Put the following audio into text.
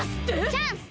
チャンス！